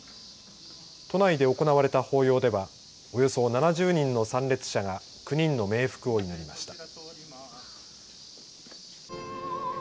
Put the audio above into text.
都内で行われた法要ではおよそ７０人の参列者が９人の冥福を祈りました。